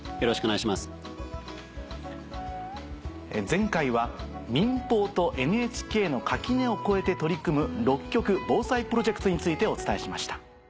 前回は民放とＮＨＫの垣根を越えて取り組む「６局防災プロジェクト」についてお伝えしました。